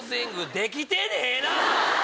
できてねえな！